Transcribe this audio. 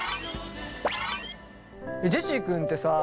ジェシー君ってさあ。